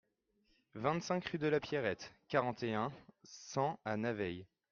vingt-cinq rue de La Pierrette, quarante et un, cent à Naveil